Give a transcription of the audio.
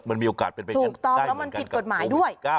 มันมีโอกาสเป็นไปได้เหมือนกันกับโรงพิธี๙